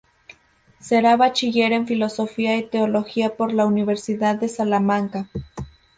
Será bachiller en Filosofía y Teología por la Universidad de Salamanca.